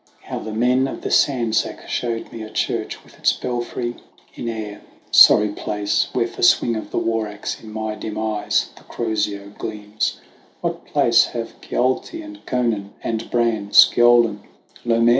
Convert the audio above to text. How the men of the sand sack showed me a church with its belfry in air; Sorry place, where for swing of the war axe in my dim eyes the crozier gleams ; What place have Caolte and Conan, and Bran, Sgeolan, Lomair?